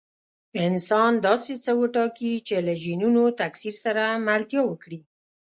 انسان داسې څه وټاکي چې له جینونو تکثیر سره ملتیا وکړي.